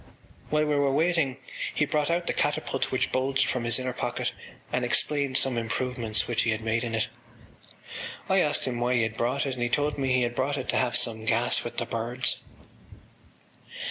While we were waiting he brought out the catapult which bulged from his inner pocket and explained some improvements which he had made in it. I asked him why he had brought it and he told me he had brought it to have some gas with the birds.